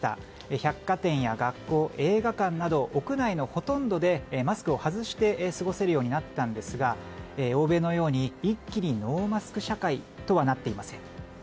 百貨店や学校映画館など、屋内のほとんどでマスクを外して過ごせるようになったんですが欧米のように一気にノーマスク社会とはなっていません。